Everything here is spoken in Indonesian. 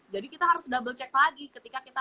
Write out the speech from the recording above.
jadi kita harus double check lagi ketika kita